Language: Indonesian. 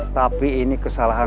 tapi ini kesalahan